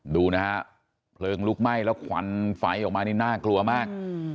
ดูนะฮะเพลิงลุกไหม้แล้วควันไฟออกมานี่น่ากลัวมาก